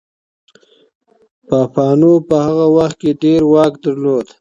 پاپانو په هغه وخت کي ډېر واک درلود.